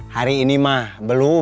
hari ini mah belum